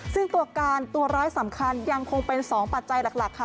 ซึ่งตัวการตัวร้ายสำคัญยังคงเป็น๒ปัจจัยหลักค่ะ